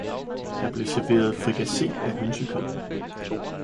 Der blev serveret frikassé af hønsekød